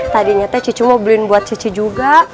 tadinya teh cucu mau beliin buat cuci juga